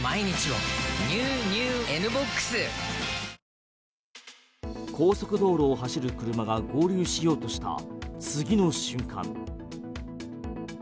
便質改善でラクに出す高速道路を走る車が合流しようとした次の瞬間。